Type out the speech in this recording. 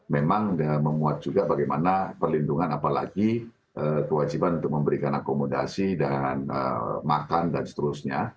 memang memuat juga bagaimana perlindungan apalagi kewajiban untuk memberikan akomodasi dan makan dan seterusnya